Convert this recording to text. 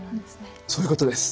そういうことです。